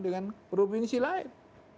dengan provinsi lain